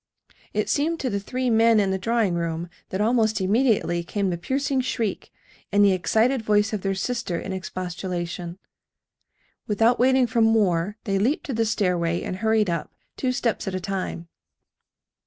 It seemed to the three men in the drawing room that almost immediately came the piercing shriek, and the excited voice of their sister in expostulation. Without waiting for more they leaped to the stairway and hurried up, two steps at a time.